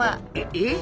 えっ！？